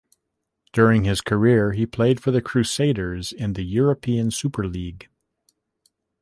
During his career, he played for the Crusaders in the European Super League.